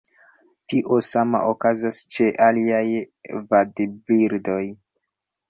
Tio sama okazas ĉe aliaj vadbirdoj.